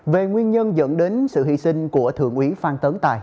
về nguyên nhân dẫn đến sự hy sinh của thượng úy phan tấn tài